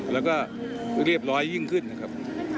แล้วก็เรียบร้อยยิ่งขึ้นนะครับ